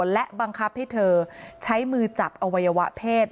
และบังคับให้เธอใช้มือจับอวัยวะเพศ